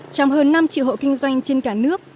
trong hơn năm triệu hộ kinh doanh trên cả nước